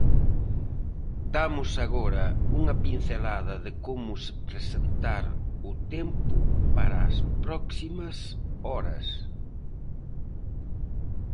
Damos agora un pincelada de como se presentar o tempo para as próximas horas.